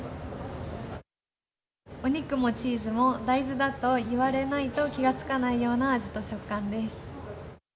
お肉もチーズも大豆だと言われないと気が付かないような味と食感です。